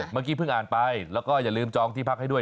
เมื่อกี้เพิ่งอ่านไปแล้วก็อย่าลืมจองที่พักให้ด้วย